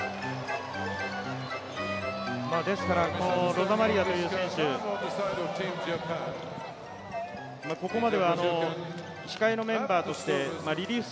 ロザマリアという選手、ここまでは控えのメンバーとしてリリーフ